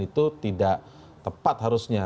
itu tidak tepat harusnya